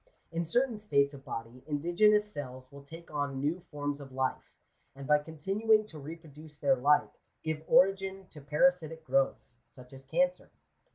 In certain states of body, indigenous cells will take on new forms of life, and by continuing to reproduce their like, give origin to para sitic growths, such as cancer.